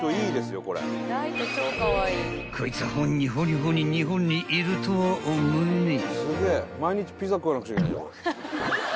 ［こいつはほんにほにほに日本にいるとは思えねえ］